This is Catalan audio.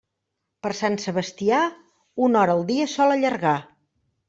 Per Sant Sebastià, una hora el dia sol allargar.